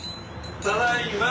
ただいま！